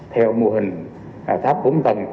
theo mô hình tháp bốn tầng